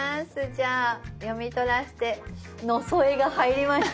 じゃあ読み取らせて「のそえ」が入りました。